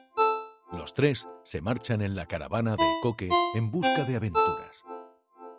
Los tres se marchan en la caravana de Coque en busca de aventuras.